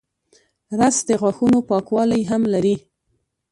رس د غاښونو پاکوالی هم لري